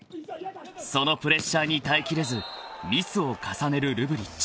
［そのプレッシャーに耐えきれずミスを重ねるルブリッチ］